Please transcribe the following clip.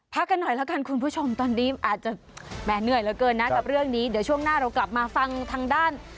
เพราะฉะนั้นพักกันหน่อยล่ะกัน